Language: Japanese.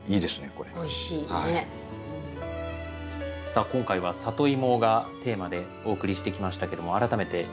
さあ今回はサトイモがテーマでお送りしてきましたけども改めていかがでした？